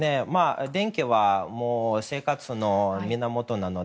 電気は生活の源なので。